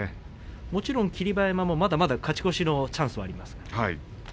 もちろん霧馬山もまだまだ勝ち越しのチャンスはあります。